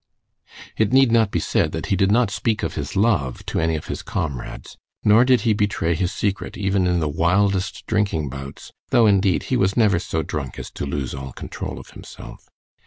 It need not be said that he did not speak of his love to any of his comrades, nor did he betray his secret even in the wildest drinking bouts (though indeed he was never so drunk as to lose all control of himself).